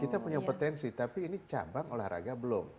kita punya potensi tapi ini cabang olahraga belum